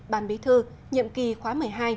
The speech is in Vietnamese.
ban bí thư nhiệm kỳ khóa một mươi hai